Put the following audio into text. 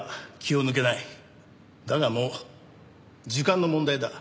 だがもう時間の問題だ。